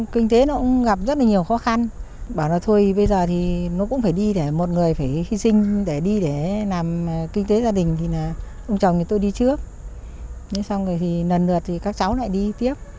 kinh tế gia đình thì là ông chồng thì tôi đi trước xong rồi thì lần lượt thì các cháu lại đi tiếp